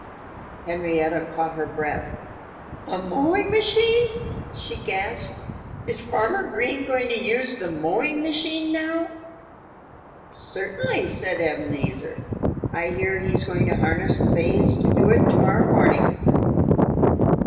Henrietta Hen caught her breath. "The mowing machine!" she gasped. "Is Farmer Green going to use the mowing machine now?" "Certainly!" said Ebenezer. "I hear he's going to harness the bays to it to morrow morning."